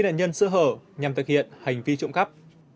nạn nhân sơ hở nhằm thực hiện hành vi trộm cắp